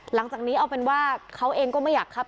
หลังจากนี้เอาเป็นว่าเขาเองก็ไม่อยากครับ